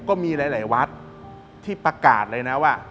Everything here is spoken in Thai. ก็มีหลายวัดที่ประกาศเลยนะว่า